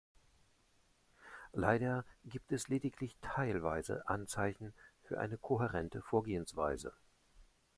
Leider gibt es lediglich teilweise Anzeichen für eine kohärente Vorgehensweise.